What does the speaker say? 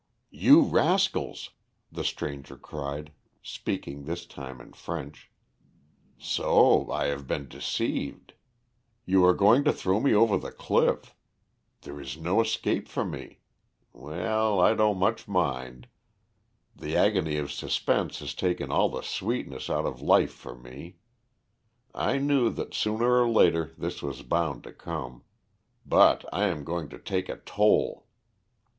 "You rascals," the stranger cried, speaking this time in French. "So I have been deceived. You are going to throw me over the cliff. There is no escape for me. Well, I don't much mind. The agony of suspense has taken all the sweetness out of life for me. I knew that sooner or later this was bound to come. But I am going to take a toll."